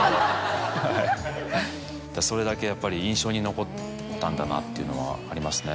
それだけやっぱり印象に残ったんだなというのはありますね。